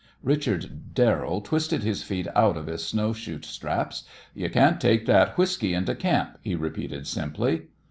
Richard Darrell twisted his feet out of his snow shoe straps. "You can't take that whiskey into camp," he repeated simply.